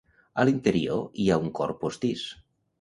A l'interior hi ha un cor postís.